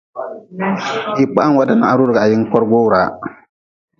Hii kpaha-n wade na ha roodigi ha yin korgu wuraa.